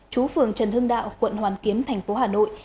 chú phường trần hưng đạo quận hoàn kiếm thành phố hà nội